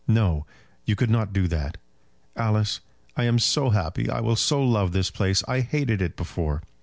No; you could not do that? Alice, I am so happy. I will so love this place. I hated it before."